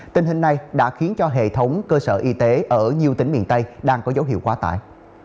tình hình này đã khiến cho hệ thống cơ sở y tế ở nhiều tỉnh miền tây đang có dấu hiệu quá tải